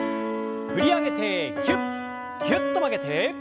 振り上げてぎゅっぎゅっと曲げて。